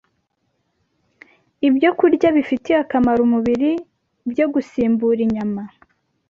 ibyokurya bifitiye akamaro umubiri byo gusimbura inyama